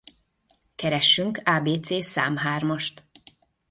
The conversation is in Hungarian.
Keressünk abc-számhármast!